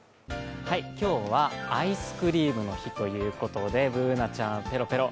今日はアイスクリームの日ということでＢｏｏｎａちゃん、ペロペロ。